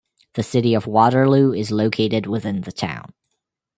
The city of Waterloo is located within the town.